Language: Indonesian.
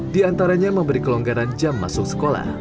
di antaranya memberi kelonggaran jam masuk sekolah